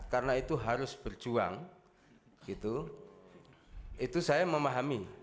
karena itu harus berjuang gitu itu saya memahami